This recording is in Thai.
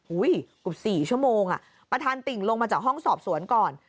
เกือบ๔ชั่วโมงประธานติ่งลงมาจากห้องสอบสวนก่อน